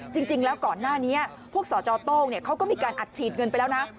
จริงแล้วก่อนหน้านี้พวกสจโต้งเขาก็มีการอัดฉีดเงินไปแล้วนะ